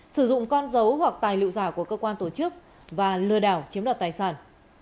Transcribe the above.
sử dụng con dấu hoặc tài liệu giả của cơ quan tổ chức và lừa đảo chiếm đoạt tài sản